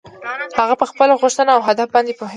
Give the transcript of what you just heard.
هغه په خپله غوښتنه او هدف باندې پوهېده.